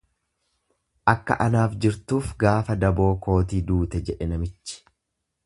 Akka anaaf jirtuuf gaafa daboo kootii duute jedhe namichi.